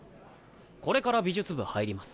これから美術部入ります。